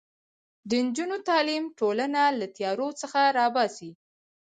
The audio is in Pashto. د نجونو تعلیم ټولنه له تیارو څخه راباسي.